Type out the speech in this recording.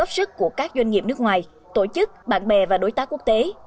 sức của các doanh nghiệp nước ngoài tổ chức bạn bè và đối tác quốc tế